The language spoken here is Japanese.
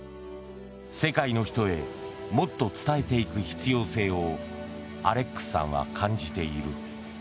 世界の人へもっと伝えていく必要性をアレックスさんは感じている。